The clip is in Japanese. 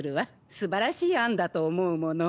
すばらしい案だと思うもの。